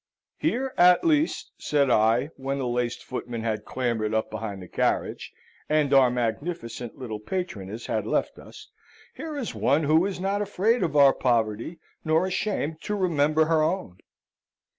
"Here, at least," said I, when the laced footmen had clambered up behind the carriage, and our magnificent little patroness had left us; "here is one who is not afraid of our poverty, nor ashamed to remember her own."